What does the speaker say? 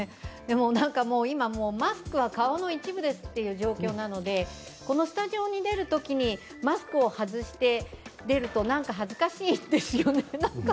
なんかもう、今、マスクは顔の一部ですという状況なのでこのスタジオに出るときに、マスクを外して出ると、なんか恥ずかしいですよね。